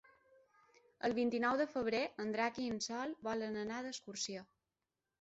El vint-i-nou de febrer en Drac i en Sol volen anar d'excursió.